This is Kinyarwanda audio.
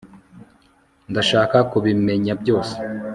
ndashaka kubimenya byose